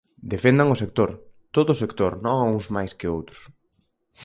Defendan o sector, todo o sector, non a uns máis que a outros.